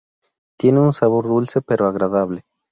Tiene un sabor dulce pero agradable.